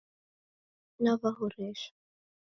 Nawahoresha.